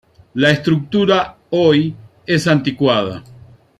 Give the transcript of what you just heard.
La estructura, hoy, es anticuada.